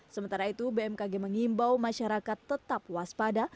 sementara itu bmkg mengimbau masyarakat tetap waspada